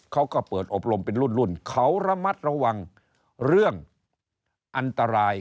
เขาก็เปิดอบรมเป็นรุ่นเขาระมัดระวังเรื่องอันตราย